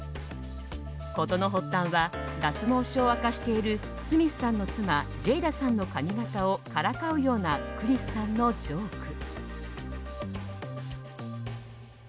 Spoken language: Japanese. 事の発端は脱毛症を明かしているスミスさんの妻ジェイダさんの髪形をからかうようなクリスさんのジョーク。